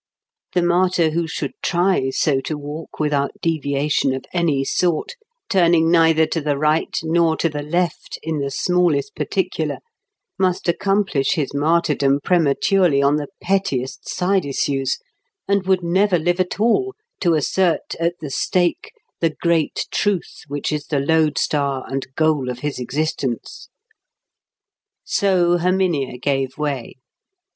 The martyr who should try so to walk without deviation of any sort, turning neither to the right nor to the left in the smallest particular, must accomplish his martyrdom prematurely on the pettiest side issues, and would never live at all to assert at the stake the great truth which is the lodestar and goal of his existence. So Herminia gave way.